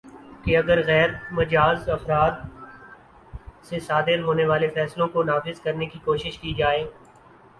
کہ اگرغیر مجاز افراد سے صادر ہونے والے فیصلوں کو نافذ کرنے کی کوشش کی جائے